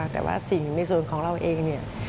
แต่ว่าสิ่งในส่วนของเราเองเนี่ย